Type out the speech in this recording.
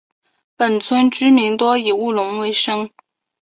本村居民多以务农为生。